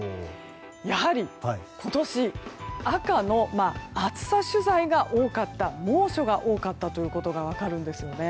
やはり今年赤の暑さ取材が多かった猛暑が多かったことが分かるんですね。